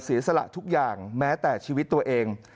เสียสละทุกอย่างแม้แต่ชีวิตตัวเอง